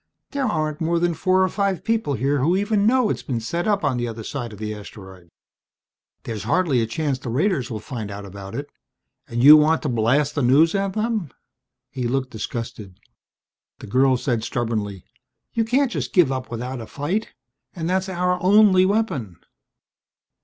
There aren't more than four or five people here who even know it's been set up on the other side of the asteroid. There's hardly a chance the raiders will find out about it. And you want to blast the news at them!" He looked disgusted. The girl said stubbornly, "You can't just give up without a fight. And that's our only weapon."